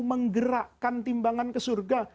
menggerakkan timbangan ke surga